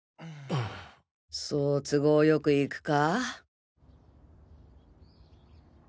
そう都合よくいくか？